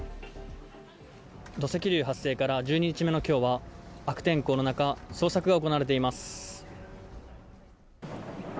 土石流発生から１２日目の今日は、悪天候の中、捜索が行われています。